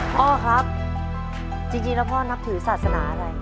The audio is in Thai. พ่อครับจริงแล้วพ่อนับถือศาสนาอะไร